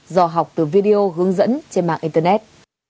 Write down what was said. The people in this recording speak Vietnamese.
do học từ video hướng dẫn trên mạng internet